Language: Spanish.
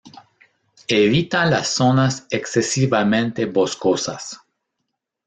Evita las zonas excesivamente boscosas.